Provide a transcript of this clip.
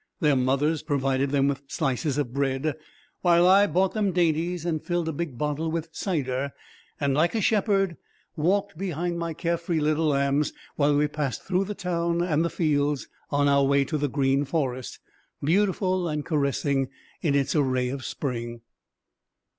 Their mothers provided them with slices of bread, while I bought them dainties and filled a big bottle with cider, and like a shepherd, walked behind my carefree little lambs, while we passed through the town and the fields on our way to the green forest, beautiful and caressing in its array of Spring.